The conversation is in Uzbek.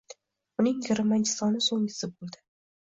Uning yigirmanchi soni so'nggisi bo'ldi.